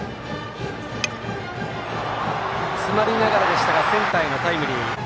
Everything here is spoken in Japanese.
詰まりながらでしたがセンターへのタイムリー。